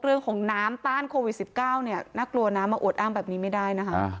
เรื่องของน้ำต้านโควิด๑๙เนี่ยน่ากลัวน้ำมาอวดอ้างแบบนี้ไม่ได้นะคะ